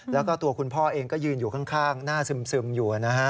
แล้วก็ตัวคุณพ่อเองก็ยืนอยู่ข้างหน้าซึมอยู่นะฮะ